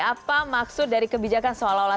apa maksud dari kebijakan seolah olah